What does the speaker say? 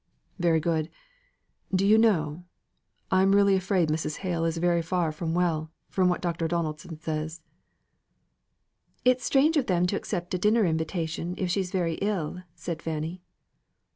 "Very good. Do you know, I'm really afraid Mrs. Hale is very far from well, from what Dr. Donaldson says." "It's strange of them to accept a dinner invitation if she's very ill," said Fanny.